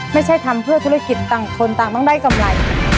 ไม่ใช่ทำเพื่อธุรกิจต่างคนต่างต้องได้กำไร